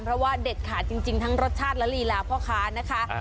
เพราะว่าเด็ดขาดจริงทั้งรสชาติและลีลาพ่อค้านะคะ